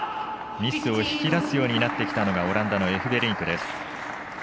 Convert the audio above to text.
ミスを引き出すようになってきたのがオランダのエフベリンクです。